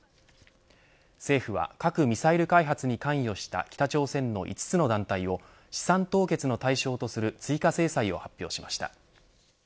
政府は核・ミサイル開発に関与した北朝鮮の５つの団体を資産凍結の対象とする追加制裁を発表しました。